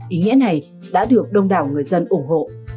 ý nghĩa này đã được đông đảo người dân ủng hộ